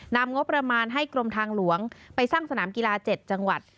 นำงบประมาณให้กรมทางหลวงไปสร้างสนามกีฬา๗จังหวัด